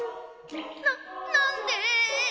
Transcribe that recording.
ななんで？